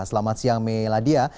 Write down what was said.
selamat siang miladia